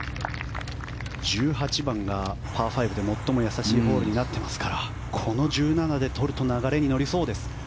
１８番がパー５で最も易しいホールになってますからこの１７で取ると流れに乗りそうです。